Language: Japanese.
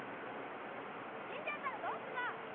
死んじゃったらどうすんの！